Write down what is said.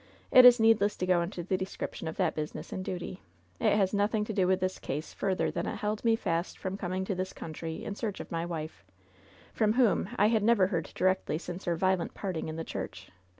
It is needless to go into the description of that business and duty. It has nothing to do with this case further than it held me fast from coming to this country in search of my wife ; from whom I had never heard directly since our violent part ing in the church.